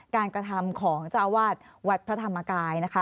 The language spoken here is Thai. กระทำของเจ้าอาวาสวัดพระธรรมกายนะคะ